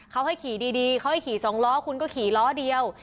เขาให้ขี่ดีเขาให้ขี่สองล้อคุณก็ขี่ล้อเดียว